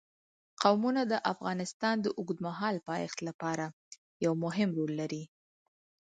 قومونه د افغانستان د اوږدمهاله پایښت لپاره یو مهم رول لري.